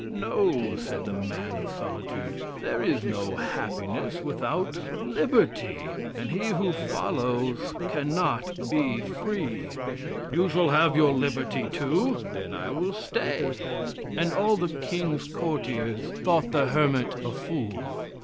"No," said the man of solitude; "there is no happiness without liberty, and he who follows cannot be free." "You shall have liberty too." "Then I will stay." And all the king's courtiers thought the hermit a fool.